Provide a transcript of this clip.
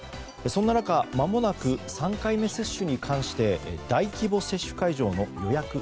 そんな中、まもなく３回目接種に関して大規模接種会場の予約